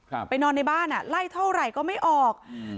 ไปนอนในบ้านอ่ะไล่เท่าไหร่ก็ไม่ออกอืม